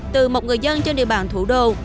từ một người dân trên địa bàn thủ đô